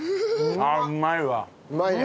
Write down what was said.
うまいわ！